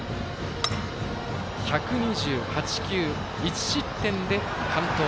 １２８球１失点で完投。